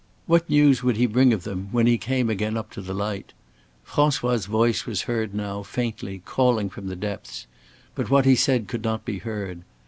What news would he bring of them when he came again up to the light? François' voice was heard now, faintly, calling from the depths. But what he said could not be heard.